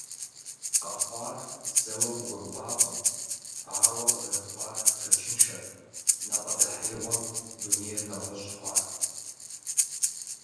Къэхъуар зэуэ къыгурыӀуакъым, ауэ къызэрыхъуар шэчыншэт, напӀэдэхьеигъуэм дунейр нэгъуэщӀ хъуат.